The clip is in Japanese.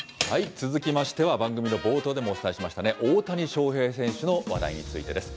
続きましては、番組の冒頭でもお伝えしましたね、大谷翔平選手の話題についてです。